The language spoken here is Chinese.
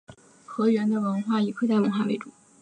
河源的文化以客家文化为主。